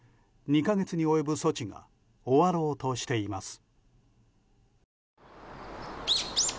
２か月に及ぶ措置が終わろうとしています。